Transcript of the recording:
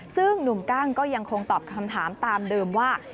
ซึ่งหนุ่มกั้งก็ยังคงตอบคำถามตามเดิมว่า